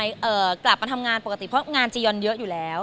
เสียหลักเยอะไหมกลับมาทำงานปกติเพราะงานเจยอนเยอะอยู่แล้ว